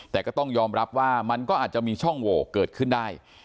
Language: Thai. แต่ก็ต้องยอมรับว่ามันก็อาจจะมีช่องโหวเกิดขึ้นได้